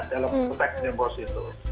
dalam konteks yang di pos itu